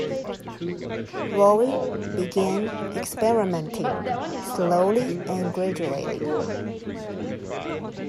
Rowe began experimenting, slowly and gradually.